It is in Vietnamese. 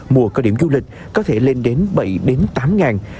mùa có điểm du lịch có thể lên đến bảy tám ngàn